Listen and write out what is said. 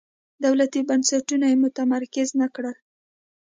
دولتي بنسټونه یې متمرکز نه کړل.